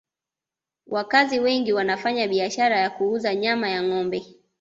wakazi wengi wanafanya biashara ya kuuzaji nyama ya ngombe